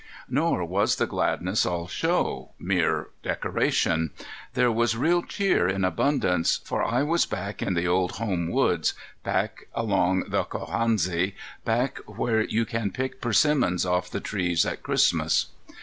Nor was the gladness all show, mere decoration. There was real cheer in abundance, for I was back in the old home woods, back along the Cohansey, back where you can pick persimmons off the trees at Christmas.